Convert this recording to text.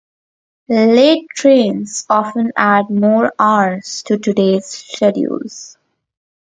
Late trains often add more hours to today's schedules.